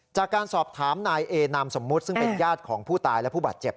จากการสอบถามนายเอนามสมมุติซึ่งเป็นญาติของผู้ตายและผู้บาดเจ็บ